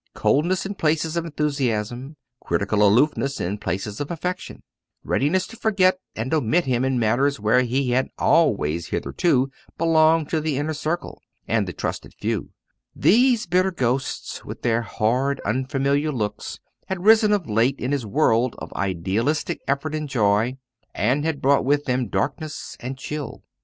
Coldness in place of enthusiasm; critical aloofness in place of affection; readiness to forget and omit him in matters where he had always hitherto belonged to the inner circle and the trusted few these bitter ghosts, with their hard, unfamiliar looks, had risen of late in his world of idealist effort and joy, and had brought with them darkness and chill.